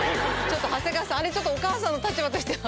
ちょっと長谷川さんあれお母さんの立場としては。